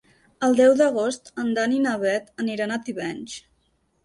El deu d'agost en Dan i na Bet aniran a Tivenys.